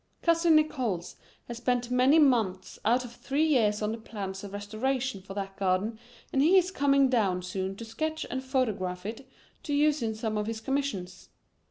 "Cousin Nickols has spent many months out of three years on the plans of restoration for that garden, and he is coming down soon to sketch and photograph it to use in some of his commissions.